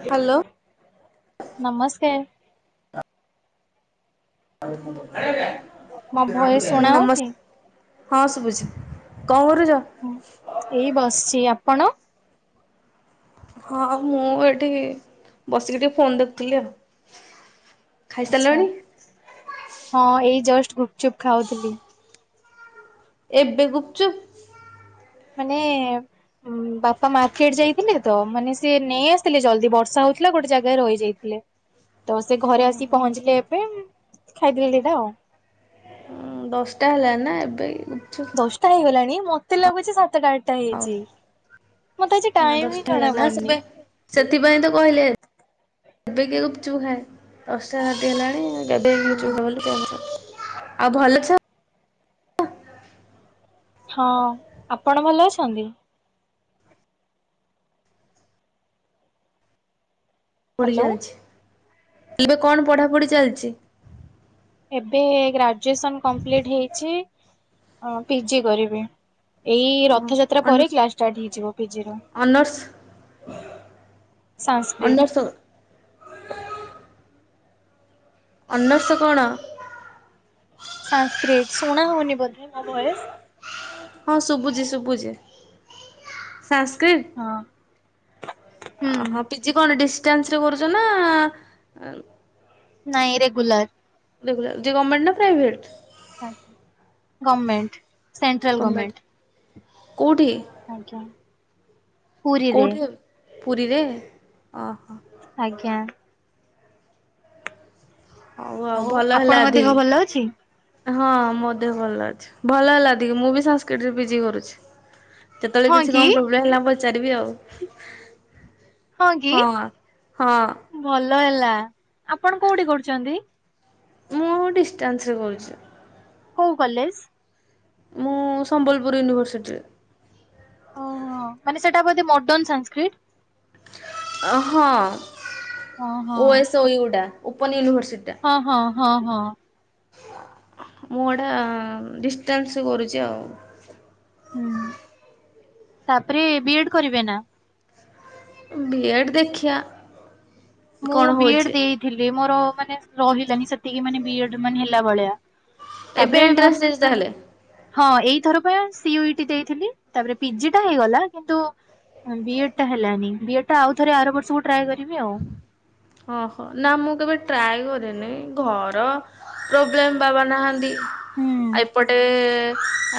Hello. ନମସ୍କାର। ମୋ voice ଶୁଣା ହଉଛି? ନମସ୍। ହଁ ଶୁଭୁଛି କଣ କରୁଛ? ହଁ ଏଇ ବସିଛି ଆପଣ? ହଁ ମୁଁ ଏଠି ବସିକି ଟିକେ ଫୋନ ଦେଖୁଥିଲି ଆଉ। ଆଛା ଖାଇସାରିଲଣି? ହଁ ଏଇ ଜଷ୍ଟ ଗୁପଚୁପ ଖାଉଥିଲି। ଏବେ ଗୁପଚୁପ? ମାନେ ବାପା ମାର୍କେଟ ଯାଇଥିଲେ ତ ମାନେ ସିଏ ନେଇଆସିଥିଲେ ଜଲ୍ଦି ବର୍ଷା ହଉଥିଲା ଗୋଟେ ଜାଗାରେ ରହିଯାଇଥିଲେ। ତ ସେ ଘରେ ଆସିି ପହଞ୍ଚିଲେ ଏବେ ଖାଇଦେଲି ଦିଟା ଆଉ। ହଁ ଦଶଟା ହେଲାଣି ନା ଏବେ ଗୁପଚୁପ। ଦଶଟା ହେଇଗଲାଣି ମତେ ଲାଗୁଛି ସାତଟା ଟା ହଉ ହେଇଛି, ମତେ ଆଜି ନା ଟାଇମ ହିଁ ଦଶଟା ହେଲା ଜଣା ନା ସେବେ ପଡିନି। ସେଥିପାଇଁ ତ କହିଲେ ଏବେ କିଏ ଗୁପଚୁପ ଖାଏ ଦଶଟା ରାତି ହେଲାଣି। ହୁଁ [unintelligible] ଆଉ ଭଲ ଅଛ? ହଁ, ଆପଣ ଭଲ ଅଛନ୍ତି? ପଢ଼ି ହ୍ୟାଲୋ ଚାଲଛି, ଏବେ କଣ ପଢାପଢି ଚାଲିଛି? ଏବେ ଗ୍ରାଜୁଏସନ କମ୍ପ୍ଲିଟ୍ ହେଇଛି, ପିଜି କରିବି। ଏଇ ହଁ ରଥଯାତ୍ରା ପରେ ଅନର୍ସ କ୍ଲାସ ଷ୍ଟାର୍ଟ ହେଇଯିବ ପିଜିର। ଅନର୍ସ? ସାନସ୍କ୍ରିଟ। ଅନର୍ସ ଅନର୍ସ କଣ? ସାନସ୍କ୍ରିଟ, ଶୁଣା ହଉନି ବୋଧେ ମୋ ଭଏସ? ହଁ ଶୁଭୁଛି ଶୁଭୁଛି ସାନସ୍କ୍ରିଟ। ହଁ। ହୁଁ ଅହୋ ପିଜି କଣ ଡିଷ୍ଟାନ୍ସରେ କରୁଛ ନା ନାଇଁ ରେଗୁଲାର। ଯେ ଗର୍ମେଣ୍ଟ ନା private? Government. Central government. Government, କୋଉଠି? ଆଜ୍ଞା। ପୁରୀରେ କୋଉଠି ଏ ପୁରୀରେ ଅହ। ଆଜ୍ଞା। ହଉ ଆଉ ଭଲ ଆପଣଙ୍କ ହେଲାଧି। ଦେହ ଭଲ ଅଛି? ହଁ ମୋ ଦେହ ଭଲ ଅଛି, ଭଲ ହେଲା ଟିକେ ମୁଁ ବି ସାନସ୍କ୍ରିଟରେ ପିଜି କରୁଛି। କେତେବେଳେ ହଁ କିଛି କି କଣ ପ୍ରୋବ୍ଲେମ ହେଲା ପଚାରିବି ଆଉ। ହଁ କି ହଁ ଭଲ ହେଲା, ଆପଣ କୋଉଠି କରୁଛନ୍ତି? ମୁଁ ଡିଷ୍ଟାନ୍ସରେ କରୁଛି। କୋଉ କଲେଜ? ମୁଁ ସମ୍ବଲପୁର ୟୁନିଭର୍ସିଟିରେ। ଓହୋ ମାନେ ସେଟା ବୋଧେ ମଡର୍ନ ସାନସ୍କ୍ରିଟ? ହଁ ହଁ ହଁ O S O U open university. ହଁ ହଁ ହଁ ହଁ। ମୁଁ ଏଟା ଡିଷ୍ଟାନ୍ସରେ କରୁଛି ଆଉ। ହୁଁ ତାପରେ ବିଏଡ କରିବେ ନା। ବି ଏଡ଼ ଦେଖିଆ। ମୁଁ କଣ ବି ହଉଛି ଏଡ ଦେଇଥିଲି ମୋର ମାନେ ରହିଲାନି ସେତିକି ମାନେ ବି ଏଡ ମାନେ ହେଲା ଭଳିଆ। ଏବେ ତାପରେ ବି ଏଣ୍ଟ୍ରାନ୍ସ ଦେଇଛୁ ତାହେଲେ? ଭାବ ହଁ ଏଇଥର ପା ସି ଇଉ ଇ ଟି ଦେଇଥିଲି ତାପରେ ପିଜିଟା ହେଇଗଲା କିନ୍ତୁ ବିଏଡ୍ ଟା ହେଲାନି ବିଏଡ୍ ଟା ଆଉ ଥରେ ଆର ବର୍ଷକୁ ଟ୍ରାଏ କରିବି ଆଉ। ଓହୋ ନା ମୁଁ କେବେ ଟ୍ରାଏ କରେନି ଘର ପ୍ରୋବ୍ଲେମ୍ ବାବା ନାହାଁନ୍ତି ହୁଁ। ଆ ଏପଟେ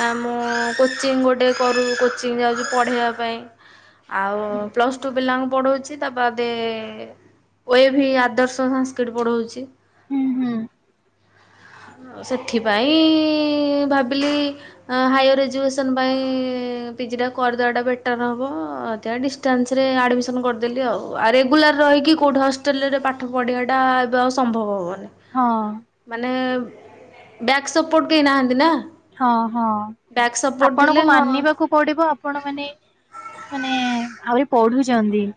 ଆ ମୁଁ କୋଚିଂ ଗୋଟେ କରୁ କୋଚିଂ ଯାଉଛି ପଢେଇବା ପାଇଁ। ଆଉ ହୁଁ ପ୍ଲସ୍ ଟୁ ପିଲାଙ୍କୁ ପଢ଼ଉଛି ତା ବାଦେ ଓ ଏ ଭି ଆଦର୍ଶ ସଂସ୍କୃତ ପଢଉଛି। ହୁଁ ହୁଁ। ଓ ସେଥିପାଇଁ ଭାବିଲି ହାୟର ଏଜୁକସନ ପାଇଁ ପିଜି ଟା କରିଦବା ଟା ବେଟର ହବ, ସେଥିପାଇଁ ଡିସ ଏଷ୍ଟାନ୍ସରେ ଆଡ଼ମିସନ୍ କରିଦେଲି ଆଉ ଆଉ ରେଗୁଲାର ରହିକି କେଉଁଠି ହଷ୍ଟେଲରେ ପାଠ ପଢ଼ିବା ଟା ଏବେ ଆଉ ସମ୍ଭବ ହବନି। ହଁ। ମାନେ ବ୍ୟାକ୍ ସପୋର୍ଟ କେହି ନାହାନ୍ତି ନା। ହଁ ହଁ ବ୍ୟାକ୍ ସପୋର୍ଟ ଥିଲେ ଆପଣଙ୍କୁ ହଁ ମାନିବାକୁ ପଢିବ ଆପଣ ମାନେ ମାନେ ଆହୁରି ପଢୁଛନ୍ତି।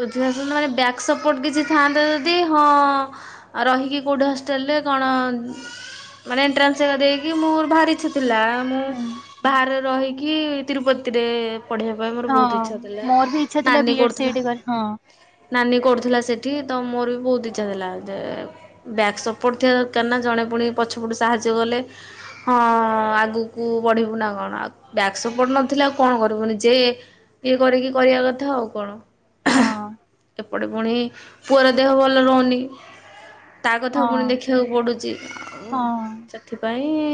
ଯେହେତୁ ନହେଲେ ବ୍ୟାକ୍ ସପୋର୍ଟ କିଛି ଥାହାନ୍ତା ଯଦି, ହଁ ଆଉ ରହିକି କଉଠି ହଷ୍ଟେଲରେ କଣ ମାନେ ଏଣ୍ଟ୍ରାନ୍ସ ହେକା ଦେଇକି ମୋର ଭାରି ଇଛା ଥିଲା, ମୁଁ ହୁଁ ବାହାରେ ରହିକି ତିରୁପତିରେ ପଢ଼େଇବା ପାଇଁ ମୋର ହଁ ବହୁତ ଇଚ୍ଛା ଥିଲା, ମୋର ବି ଇଚ୍ଛା ଥିଲା ବି ନାନୀ ଏଡ୍ ସି କରୁଥିଲା। ଏଡ୍ କରି ହଁ। ନାନୀ କରୁଥିଲା ସେଠି ତ ମୋର ବି ବହୁତ ଇଚ୍ଛା ଥିଲା, ଯେ ବ୍ୟାକ୍ ସପୋର୍ଟ ଥିବା ଦରକାର ନା ଜଣେ ପୁଣି ପଛପଟୁ ସାହାଯ୍ୟ କଲେ ହଁ ଆଗକୁ ବଢିବୁ ନା କଣ? ବ୍ୟାକ୍ ସପୋର୍ଟ ନଥିଲେ ଆଉ କଣ କରିବୁ, ନିଜେ ଇଏ କରିକି କରିବା କଥା ଆଉ କଣ? ହଁ ହଃ ଏପଟେ ପୁଣି ପୁଅର ଦେହ ଭଲ ରହୁନି। ତା ହଁ କଥା ପୁଣି ଦେଖିବାକୁ ପଡ଼ୁଛି, ଆଉ ହଁ। ସେଥିପାଇଁ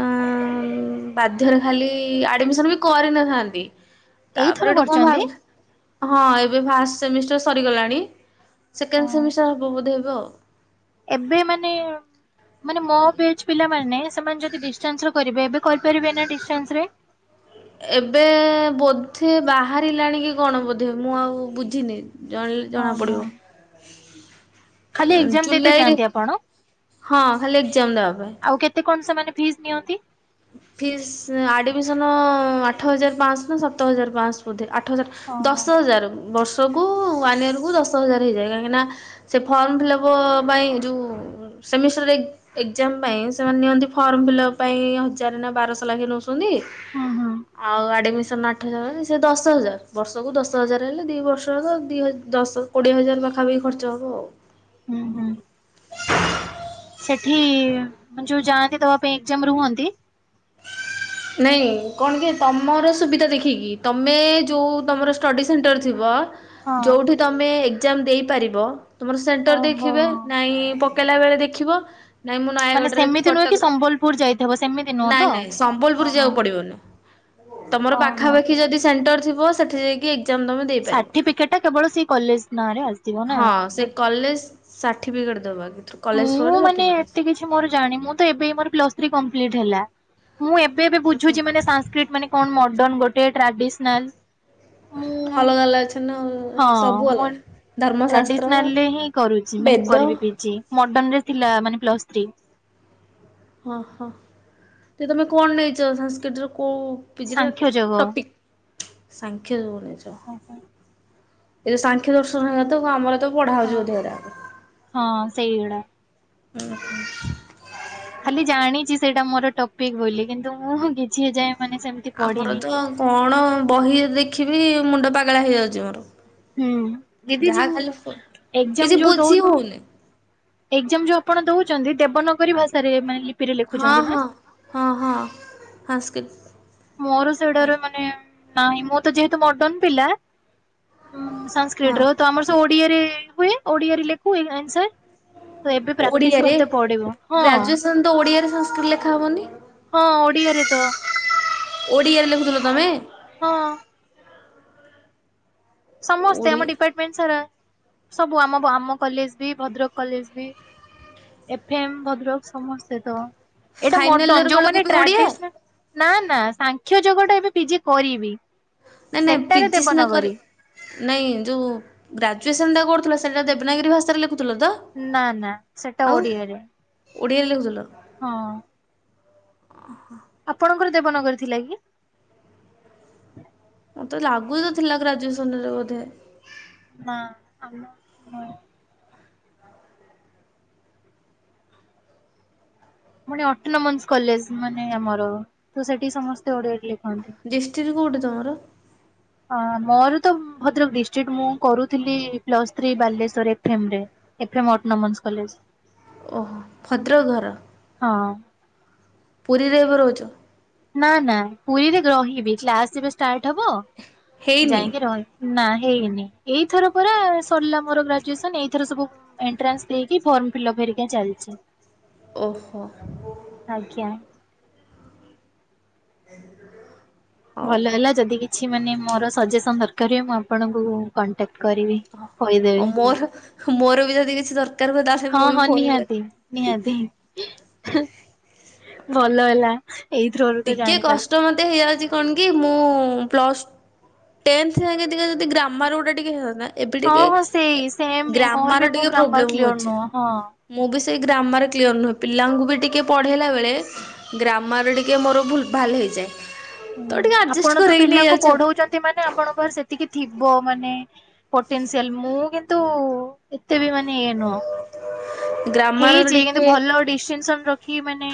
ଆମ୍ ବାଧ୍ୟରେ ଖାଲି ଆଡମିସନ୍ ବି କରିନଥାନ୍ତି। ଏଇଥର ତାପରେ ଏଠୁ କଣ କରିଛନ୍ତି ଭାଵ୍ ହଁ ଏବେ ଫାଷ୍ଟ ସେମିଷ୍ଟାର ସରିଗଲାଣି, ସେକେଣ୍ଡେ ହଁ ସେମିଷ୍ଟାର ହବ ବୋଧେ ଏବେ ଆଉ। ଏବେ ମାନେ ମାନେ ମୋ ବେଚ୍ ପିଲମାନେ ସେମାନେ ଯଦି ଡିଷ୍ଟାନ୍ସ କରିବେ, ଏବେ କରିପାରିବେ ନା ଡିଷ୍ଟାନ୍ସରେ? ଏବେ ବୋଧେ ବାହାରିଲାଣି କି କଣ ବୋଧେ ମୁଁ ଆଉ ବୁଝିନି। ଜଣେ ଓହୋ ଜଣାପଡ଼ିବ। ଖାଲି ଏକ୍ଜାମ ଦେଇତେ ଜୁଲାଇରେ, ଯାଆନ୍ତି ଆପଣ ହଁ ଖାଲି ଏକ୍ଜାମ ଦବା ପାଇଁ। ଆଉ କେତେ କଣ ସେମାନେ ଫିଜ୍ ‌ନିଅନ୍ତି? ଫିସ୍ ଆଡ଼ମିଶନ ଆଠ ହଜାର ପାଆଶହ ନା ସାତ ହଜାର ପାଆଶହ। ବୋଧେ ଆଠ ହଜାର ଓହୋ। ଦଶ ହଜାର ବର୍ଷକୁ ୱାନ୍ ଇୟରକୁ ଦଶ ହଜାର ହେଇଯାଏ, କାହିଁକିନା ସେ ଫର୍ମ ଫିଲ୍ଅପ ପାଇଁ ଯୋଉ ସେମିଷ୍ଟାର ଏ-ଏକ୍ସାମ ପାଇଁ ସେମାନେ ନିଅନ୍ତି ଫର୍ମ ଫିଲ୍ଅପ ପାଇଁ ହଜା ହଜାର ନା ବାରଶହ ଲାଖେ ନଉଛନ୍ତି। ହଁ ହଁ। ଆଉ ଆଡ଼ମିସନ୍ ଆଠ ହଜାର ହେଲେ ସେ ଦଶ ହଜାର ବର୍ଷକୁ ଦଶ ହଜାର ହେଲେ ଦିଇ ବର୍ଷ ତ ଦିଇ ହ ଦଶ କୋଡ଼ିଏ ହଜାର ପାଖାପାଖି ଖର୍ଚ୍ଚ ହବ ଆଉ। ହୁଁ ହୁଁ। ସେଠି ମାନେ ଯୋଉ ଯାଆନ୍ତି ଦବା ପାଇଁ ଏଗ୍ଜାମ୍ ରୁହନ୍ତି। ନାଇଁ କଣ କି ତମର ସୁବିଧା ଦେଖିକି ତମେ ଯଉଁ ତମର ଷ୍ଟଡ଼ି ସେଣ୍ଟର ଥିବ ହଁ ଯୋଉଠି ତମେ ଏଗ୍ଜାମ୍ ଦେଇପାରିବ ତୁମର ସେଣ୍ଟର ଓହୋ। ଦେଖିବେ ନାଇଁ ପ ପକେଇଲା ବେଳେ ଦେଖବ ନାଇଁ ମୁଁ ମାନେ ନୟାଗଡ଼ରେ କି ସେମିତି ନୁହେଁ କଟକରେ, ସମ୍ବଲପୁର ଯାଇଥିବ ସେମିତି ନୁହଁ ତ? ନାଇଁ ନାଇଁ ସମ୍ ବଲପୁର ଓହୋ ଯିବାକୁ ପଡ଼ିବନି ତମର ଓହୋ ପାଖାପାଖି ଯଦି ସେଣ୍ଟର ଥିବ ସେଠି ଯାଇକି ଏଗ୍ଜାମ୍ ତମେ ଦେଇପାରିବ ସାର୍ଟିଫିକେଟ ଟା କେବଳ ସେଇ କଲେଜ ନାଁରେ ଆସିବ ହଁ ସେ ନା? କଲେଜ୍ ସାର୍ଟିଫିକେଟ ଦବା କଲେଜ ମୁଁ ପରେ ମାନେ ସାର୍ଟିଫିକେଟ୍ ଏତେ କିଛି ମୋର ଜାଣି ମୁଁ ତ ଏବେ ମୋର ପ୍ଲସ୍ ‌ଥ୍ରି କଂପ୍ଲିଟ୍ ହେଲା, ମୁଁ ଏବେ ଏବେ ଓହୋ ବୁଝୁଛି ସାଂସ୍ ସ୍କିଟ୍ ମାନେ କଣ ମଡର୍ଣ୍ଣ ଗୋଟେ ଟ୍ରାଡିସନାଲ ମୁଁ ଅଲଗା ଅଲଗା ଅଛି ନା ହଁ ସବୁ ମୁଁ ଅଲଗା। ଧର୍ମଶାସ୍ତ୍ର ଟ୍ରାଡିସନାଲରେ ହିଁ କରୁଛି ମାନେ ବେଦ କରିବି ପିଜି ମର୍ଡ଼ନରେ ଥିଲା ମାନେ ପ୍ଲସ୍ ଥ୍ରି। ହଁ ହଁ ଯେ ତମେ କଣ ନେଇଛ ସାଂସ୍କ୍ରିଟ୍ ର କୋଉ ପିଜିରେ ସାଂଖ୍ୟ ଯୋଗ। ଟପିକ୍? ସାଂଖ୍ୟ ଯୋଉ ନେଇଛ, ହଁ ଏ ସାଂଖ୍ୟ ଦର୍ଶନ ହେରା ତ ଆମର ପଢା ହଉଛି ଯୋଉ ଅଧ୍ୟାଉରା ହଁ ସେଇଗୁଡ଼ା। ହୁଁ ହୁଁ ଖାଲି ଜାଣିଛି ସେଇଟା ମୋର ଟପିକ୍ ବୋଲି କିନ୍ତୁ ମୁଁ କିଛି ଏଯାଏଁ ମାନେ ସେମି ଆମର ତ କଣ ବହି ଦେଖିବି, ମୁଣ୍ଡ ପାଗଳା ହେଇଯାଉଛି ମୋର। ହୁଁ ଦିଦି ଯାହା ଯୋଉ ଖାଲି ଫୋ, ଏକ୍ଜାମ କିଛି ଯୋଉ ଦଉ ବୁଝି ହୋଉନି। ଏକ୍ଜାମ ଯୋଉ ଆପଣ ଦୋଉଛନ୍ତି, ଦେବନଗରୀ ଭାଷାରେ ମାନେ ଲିପି ହଁ ହଁ, ହଁ ହଁ ସାଂସ୍କିଟ୍। ମୋର ସେଗୁଡାରେ ମାନେ ନାହିଁ। ମୁଁ ତ ଯେହେତୁ ମର୍ଡନ ପିଲା, ସାଂ ହଁ କ୍ରିଟ୍ ର ତ ଆମର ସେ ଓଡ଼ିଆରେ ହୁଏ, ଓଡ଼ିଆରେ ଲେଖୁ ଆନ୍ସାର୍। ତ ଏବେ ପ୍ରାକ୍ଟିସ୍ ଓଡିଆରେ କରତେ ପଡ଼ିବ। ହଁ। ଗ୍ରାଜୁଏସନ ତ ଓଡ଼ିଆରେ ସାଂସ୍କିଟ୍ ଲେଖାହବନି। ହଁ ଓଡ଼ିଆରେ ତ। ଓଡ଼ିଆରେ ଲେଖୁଥିଲ ତମେ? ହଁ। ସମସ୍ତେ ଓଡି ଆମ ଡିପାର୍ଟମେଣ୍ଟ ସାରା। ସବୁ ଆମ ଆମ କଲେଜ ବି ଭଦ୍ରକ କଲେଜ ବି ଏଫ ଏମ୍, ଭଦ୍ରକ ସମସ୍ତେ ତ। ଏଇଟା ଫାଇନାଲ ମର୍ଡନ, ଇୟର ବେଳକୁ ଯୋଉମାନେ ବି ଓଡିଆ ଟ୍ରାଡିସ୍ନାଲ୍ ନା ନା ସାଂଖ୍ୟ ଯୋଗଟା ଏବେ ପିଜି କରିବି, ନାଇଁ ନାଇଁ ସେଟାରେ ପିଜି ସିନା କରି ଦେବନଗରୀ। ନାଇଁ ଯୋଉ ଗ୍ରାଜୁଏସନ୍ ଟା କରୁଥିଲ ସେଟା ଦେବନାଗରୀ ଭାଷାରେ ଲେଖୁଥିଲ ତ? ନା ନା, ସେଟା ଆଉ ଓଡ଼ିଆରେ। ଓଡ଼ିଆରେ ଲେଖୁଥିଲ। ହଁ। ଆପଣଙ୍କର ଦେବନଗରୀ ଥିଲା କି? ମୋତେ ଲାଗୁତ ଥିଲା ଗ୍ରାଜୁଏସନ ରେ ବୋଧେ। ନାଁ ଆମ [inaudible] ପୁଣି ଅଟୋନୋମସ୍ କଲେଜ ମାନେ ଆମର ତ ସେଠି ସମସ୍ତେ ଓଡ଼ିଆରେ ଲେଖନ୍ତି। ଡିଷ୍ଟ୍ରି କୋଉଠି ତମର? ଅ ମୋର ତ ଭଦ୍ରକ ଡିଷ୍ଟ୍ରିକ୍ଟ। ମୁଁ କରୁଥିଲି plus three Baleswar F M ରେ। F M autonomous college. ଓହୋ, ଭଦ୍ରକ ଘର। ହଁ। ପୁରୀରେ ଏବେ ରହୁଛ। ନାଁ ନାଁ ପୁରୀରେ ରହିବି, କ୍ଲାସ ଯେବେ ଷ୍ଟାର୍ଟ ହବ ହେଇନି ଯାଇକି ରହିବି। ନାଁ ହେଇନି। ଏଇଥର ପରା ସରିଲା ମୋର ଗ୍ରାଜୁଏସନ, ଏଇଥର ସବୁ ଏଣ୍ଟ୍ରାନ୍ସ ଦେଇକି ଫର୍ମ ଫିଲପ୍ ହେରିକା ଚାଲିଛି। ଓହୋ। ଆଜ୍ଞା। ହଉ ଭଲ ହେଲା ଯଦି କି କିଛି ମାନେ ମୋର ସଜେସନ୍ ଦରକାର ହୁଏ, ମୁଁ ଆପଣଙ୍କୁ କଣ୍ଟାକ୍ଟ କରିବି। କହିଦେବି ହଁ ମୋର ମୋର ବି ଯଦି କିଛି ଦରକାର ହୁଏ, ତାହେଲେ ମୁଁ ବି ଫୋନ କରିବି। ଭଲହେଲା। ଟିକେ କଷ୍ଟ ମତେ ହେଇଯାଉଛି କଣ କି ମୁଁ ପ୍ଲସ୍ ଟେନ୍ଥ ସାଙ୍ଗେ ଟିକେ ଯଦି ଗ୍ରାମାର୍ ଗୁଡ଼ା ଟିକେ ହେଇଥାନ୍ତା ଏବେ ହଁ ଟିକେ ହଁ ସେଇ ସେମ୍ ହିଁ ମୋର ବି ଗ୍ରାମର ମୋ ଟିକେ ଗ୍ରାମର ପ୍ରୋବ୍ଲେମ କ୍ଲିୟର ହୋଉଛି। ନୁହଁ ହଁ। ମୁଁ ବି ସେଇ ଗ୍ରାମର କ୍ଲିୟର ନୁହେଁ। ପିଲାଙ୍କୁ ବି ଟିକେ ପଢ଼େଇଲା ବେଳେ ଗ୍ରାମର ଟି ଟିକେ ମୋର ଭୁଲ୍ ଭାଲ ହେଇଯାଏ ତ ଟିକେ ଆଡ଼ଜଷ୍ଟ କରେଇକି ନେଇଯାଉଛି ଆଉ ଟିକେ ମାନେ ଆପଣଙ୍କର ସେତିକି ଥିବ ମାନେ। ପୋଟେନ୍ସିଆଲ ମୁଁ କିନ୍ତୁ ଏତେ ବି ମାନେ ଇଏ ନୁହଁ। ଗ୍ରାମାର ହେଇଛି କିନ୍ତୁ ଟିକେ ଭଲ ଡିଷ୍ଟିଂସନ୍ ରଖି ମାନେ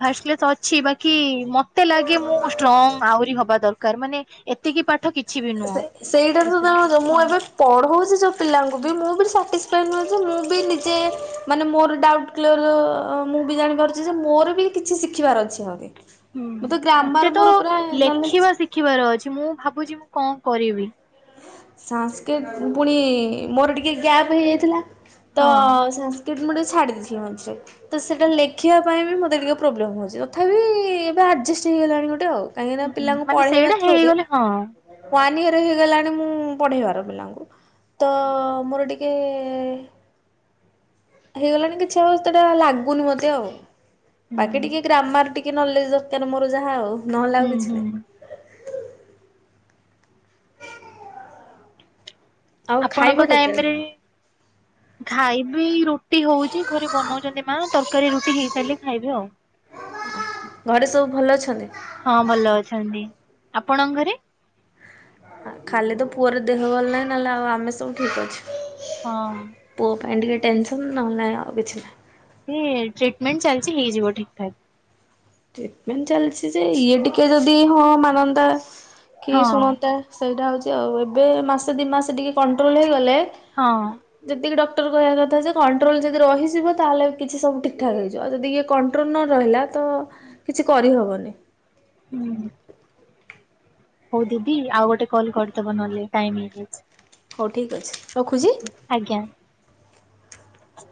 ଫାଷ୍ଟ କ୍ଲାସ୍ ତ ଅଛି ବାକି ମାନେ ମତେ ଲାଗେ ମୁଁ ଷ୍ଟ୍ରଙ୍ଗ ଆହୁରି ହବା ଦରକାର ମାନେ ଏତେ ଏତିକି ପାଠ କିଛି ବି ନୁହଁ ସେ ସେଇଟା ଏସବୁ। ତ ତ ମୁଁ ହଁ। ଏବେ ପଢ଼ଉଛି ଯେଉଁ ପିଲାଙ୍କୁ ବି ମୁଁ ବି ସାଟିସ୍ଫାଇ ନୁହେଁ ଯେ ମୁଁ ବି ନିଜେ ମାନେ ମୋର ଡାଉଟ୍ ମୁଁ ବି ଜାଣିପାରୁଛି ଯେ ମୋର ବି କିଛି ଶିଖିବାର ଅଛି ଆହୁରି। ହୁଁ। ମୁଁ ତ ମତେ ଗ୍ରାମର ତ ମୋର ପୁରା ଲେଖିବା ନଲେଜ ଶିଖିବାର ଅଛି। ମୁଁ ଭାବୁଛି ମୁଁ କଣ କରିବି? ସଂସ୍କୃତ ପୁଣି ମୋର ଟିକେ ଗ୍ୟାପ ହେଇଯାଇଥିଲା ତ ହଁ କିଟ ମୁଁ ଟିକେ ଛାଡ଼ି ଦେଇଥିଲି ମଝିରେ। ତ ସେଇଟା ଲେଖିବା ପାଇଁ ବି ମୋତେ ଟିକେ ପ୍ରୋବ୍ଲେମ୍ ହେଉଛି। ତଥାପି ଏବେ ଆଡ଼ଜଷ୍ଟ ହେଇଗଲାଣି ଗୋଟେ ଆଉ। କାହିଁକି ନା ହୁଁ ପିଲାଙ୍କୁ ମାନେ ପଢେଇବା ସେଇଟା ଥ୍ରୋଦେ ହେଇଗଲେ ହଁ ୱାନ ଇୟର ହେଇଗଲାଣି। ମାନେ ମୁଁ ପଢ଼େଇବାର ପିଲାଙ୍କୁ ତ ମୋର ଟିକେ ହେଇଗଲାଣି କିଛି ଅବ ସେଟା ଲାଗୁନି ମତେ ଆଉ ବାକି ହୁଁ। ଟିକେ ଗ୍ରାମାର ଟିକେ କି ନଲେଜ ଦରକାର ମୋର ଯାହା ଆଉ ନହେଲେ ହୁଁ ଆଉ କିଛି ହୁଁ। ନାହିଁ। ଆଉ ଖାଇବ ଆପଣଙ୍କ କେତେବେଳେ ଟାଇମରେ ଖାଇବି ରୁଟି ହଉଛି ଘରେ ବନଉଛନ୍ତି ମା ତରକାରୀ ରୁଟି ହେଇସାରିଲେ ଖାଇବି ଆଉ। ଘରେ ସବୁ ଭଲ ଅଛନ୍ତି? ହଁ ଭଲ ଅଛନ୍ତି। ଆପଣଙ୍କ ଘରେ? ଖାଲି ତ ପୁଅର ଦେହ ଭଲ ନାହିଁ। ନହେଲେ ଆଉ ଆମେ ସବୁ ଠିକ୍ ଅଛୁ। ହଁ। ପୁଅ ପାଇଁ ଟିକେ ଟେନ୍ସନ ନହେଲେ ନାଇଁ ଆଉ କିଛି ନାହିଁ। ଏ ଟ୍ରିଟମେଣ୍ଟ ଚାଲିଛି ହେଇଯିବ ଠିକ ଠାକ। ଟ୍ରିଟମେଣ୍ଟ ଚାଲିଛି ଯେ ଇଏ ଟିକେ ଯଦି ହଁ ମାନନ୍ତା କି ହଁ ଶୁଣନ୍ତା। ସେଇଟା ହେଉଛି ଆଉ। ଏବେ ମାସେ ଦୁଇ ମାସ ଟିକେ କଣ୍ଟ୍ରୋଲ୍ ହେଇଗଲେ ହଁ। ଯେତିକି ଡକ୍ଟର କହିବା କଥା ଯେ କଣ୍ଟ୍ରୋଲ ଯଦି ରହିଯିବ ତାହେଲେ କିଛି ସବୁ ଠିକ ଠାକ ହେଇଯିବ ଯଦି ଇଏ କ କଣ୍ଟ୍ରୋଲ ନ ରହିଲା ତ କିଛି କରିହବନି। ହୁଁ। ହଉ ଦିଦି ଆଉ ଗୋଟେ କଲ୍ କରିଦବ ନହେଲେ ଟାଇମ ହେଇଯାଇଛି। ହଉ ଠିକ୍ ଅଛି ରଖୁଛି। ଆଜ୍ଞା। ହଁ।